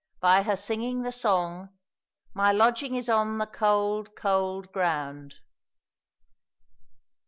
by her singing the song, "My lodging is on the cold, cold ground."